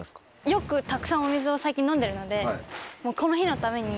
よくたくさんお水を最近飲んでるのでこの日のために。